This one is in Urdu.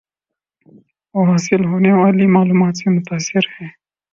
وہ حاصل ہونے والی معلومات سے متاثر ہیں